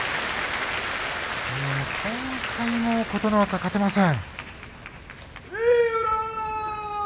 今回も琴ノ若、勝てません。